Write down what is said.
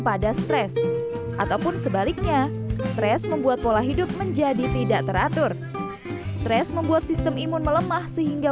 karena stres membuat pola hidup menjadi tidak teratur stres membuat sistem imun melemah sehingga